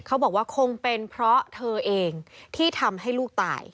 เขาบอกว่าคงเป็นเพราะเธอเองที่ทำให้ลูกตาย